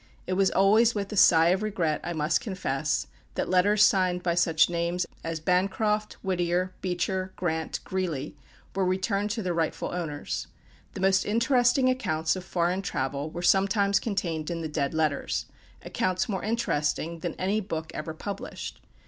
It was always with a sigh of regret, I must confess, that letters signed by such names as Bancroft, Whittier, Beecher, Grant, Greeley, were returned to their rightful owners. The most interesting accounts of foreign travel were sometimes contained in the dead letters accounts more interesting than any book ever published.